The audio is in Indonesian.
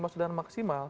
apa yang dimaksimalkan